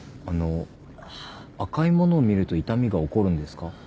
あの赤いものを見ると痛みが起こるんですか？